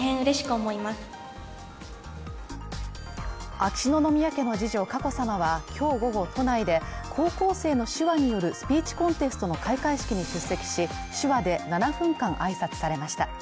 秋篠宮家の次女、佳子さまは今日午後、都内で高校生の手話によるスピーチコンテストの開会式に出席し、手話で７分間、挨拶されました。